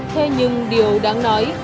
thế nhưng điều đáng nói